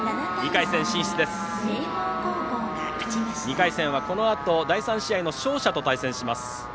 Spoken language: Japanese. ２回戦はこのあと第３試合の勝者と対戦します。